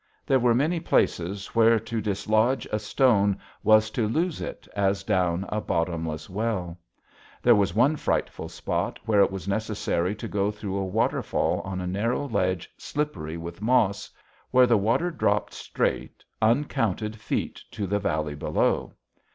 There were many places where to dislodge a stone was to lose it as down a bottomless well. There was one frightful spot where it was necessary to go through a waterfall on a narrow ledge slippery with moss, where the water dropped straight, uncounted feet to the valley below.